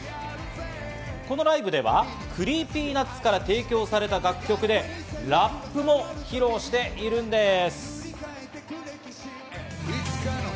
このライブではＣｒｅｅｐｙＮｕｔｓから提供された楽曲でラップを披露しているんです。